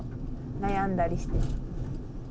悩んだりして。